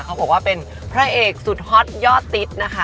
เขาบอกว่าเป็นพระเอกสุดฮอตยอดติดนะคะ